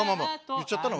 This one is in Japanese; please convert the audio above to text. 言っちゃったの？